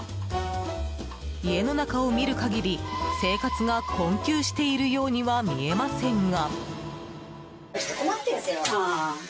家の中を見る限り生活が困窮しているようには見えませんが。